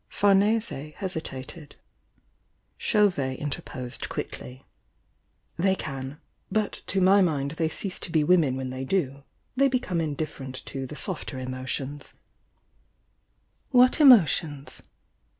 Famese hesitated. Chauvet interposed quickly. "They can,— but to my mind they cease to be women when they do. They Isecome indifferent to the softer emotions " "What emotions?"